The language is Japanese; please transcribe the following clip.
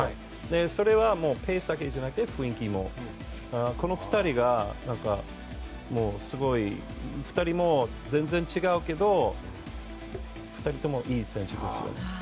それはペースだけじゃなくて雰囲気も、この２人も全然違うけど２人ともいい選手ですよ。